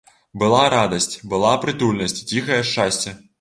Была радасць, была прытульнасць і ціхае шчасце.